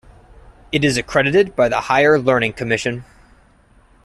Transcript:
It is accredited by the Higher Learning Commission.